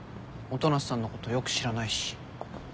音無さんのことよく知らないし。